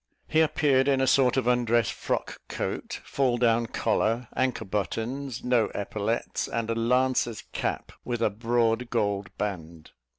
He appeared in a sort of undress frock coat, fall down collar, anchor buttons, no epaulettes, and a lancer's cap, with a broad gold band.